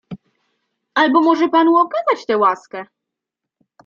"Albo może panu okazać tę łaskę?"